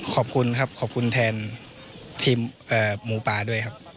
ขอบคุณครับขอบคุณแทนทีมหมูป่าด้วยครับ